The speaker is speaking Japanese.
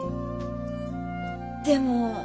でも。